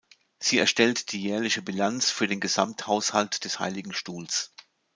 Sie erstellt die jährliche Bilanz für den Gesamthaushalt des Heiligen Stuhls.